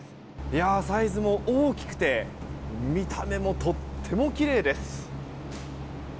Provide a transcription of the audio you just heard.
サイズも大きくて見た目もとってもきれいです。